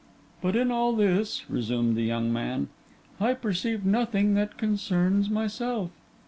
'But in all this,' resumed the young man, 'I perceive nothing that concerns myself.